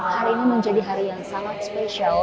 hari ini menjadi hari yang sangat spesial